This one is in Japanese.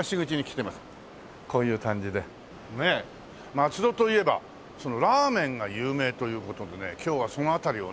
松戸といえばラーメンが有名という事でね今日はそのあたりをね